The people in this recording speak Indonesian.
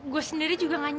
gue sendiri juga gak nyangka